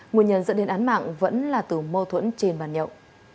nguyên nhân dẫn đến án mạng vẫn là từ mâu thuẫn trên bàn nhậu